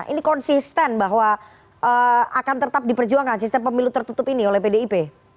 ini konsisten bahwa akan tetap diperjuangkan sistem pemilu tertutup ini oleh pdip